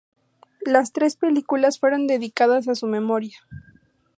Las tres películas fueron dedicadas a su memoria.